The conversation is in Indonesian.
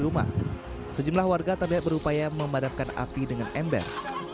rumah sejumlah warga terlihat berupaya memadamkan api dengan ember